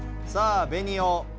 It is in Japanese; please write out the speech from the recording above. さあベニオ。